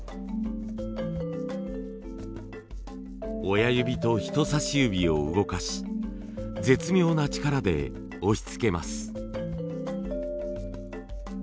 親指と人差し指を動かし絶妙な力で押しつけます。